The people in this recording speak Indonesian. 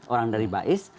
orang dari baes